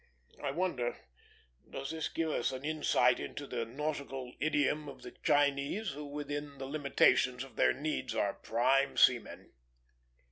I wonder does that give us an insight into the nautical idiom of the Chinese, who within the limitations of their needs are prime seamen.